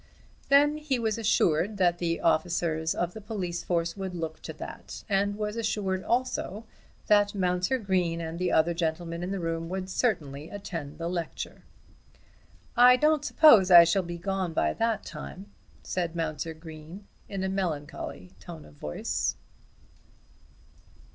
Then he was assured that the officers of the police force would look to that, and was assured also that Mounser Green and the other gentlemen in the room would certainly attend the lecture. "I don't suppose I shall be gone by that time," said Mounser Green in a melancholy tone of voice.